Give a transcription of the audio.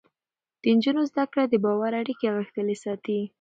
د نجونو زده کړه د باور اړیکې غښتلې ساتي.